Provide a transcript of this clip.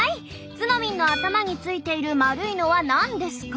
「ツノミンの頭についている丸いのは何ですか？」。